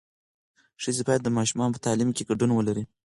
ښځې باید د ماشومانو په تعلیم کې ګډون ولري.